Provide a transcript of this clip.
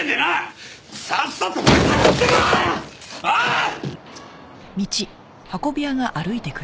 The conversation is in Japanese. ああ。